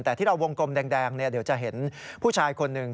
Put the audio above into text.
แต่ที่เราวงกลมแดงเดี๋ยวจะเห็นผู้ชายคนหนึ่ง